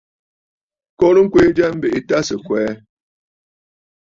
Korə ŋkwee jya, mbèʼe tâ sɨ̀ kwɛɛ.